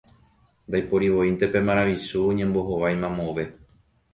Ndaiporivoínte pe maravichu ñembohovái mamove.